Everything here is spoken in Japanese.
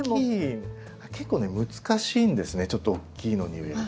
結構ね難しいんですねちょっと大きいのに植えると。